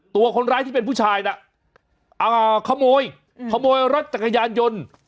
ตัวคนร้ายที่เป็นผู้ชายน่ะขโมยขโมยรถจักรยานยนต์